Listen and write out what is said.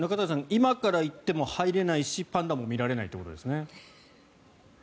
今から行っても入れないしパンダも見られないってことですね？